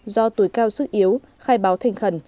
do tuổi cao sức yếu khai báo thành khẩn